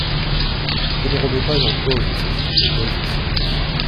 Je ne remets pas en cause ses hypothèses scientifiques.